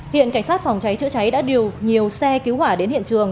hiện cảnh sát phòng cháy chữa cháy đã điều nhiều xe cứu hỏa đến hiện trường